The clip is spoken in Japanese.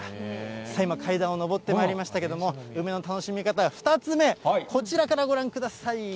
さあ、今、階段を上ってまいりましたけれども、梅の楽しみ方２つ目、こちらからご覧ください。